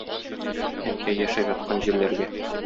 Әнкәй яшәп яткан җирләргә.